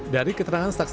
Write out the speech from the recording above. dari keterangan saksi fakta